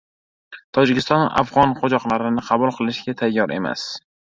Tojikiston afg‘on qochoqlarini qabul qilishga tayyor emas